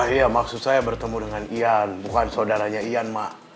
iya maksud saya bertemu dengan ian bukan saudaranya ian ma